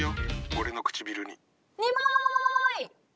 俺の唇に。